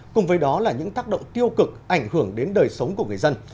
cùng với đó là những tác động tiêu cực ảnh hưởng đến đời sống của người dân